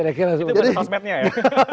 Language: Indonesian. itu berkata sosmednya ya